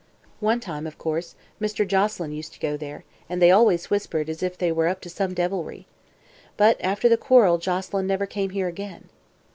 One time, of course, Mr. Joselyn used to go there, and then they always whispered, as if they were up to some deviltry. But after the quarrel Joselyn never came here again."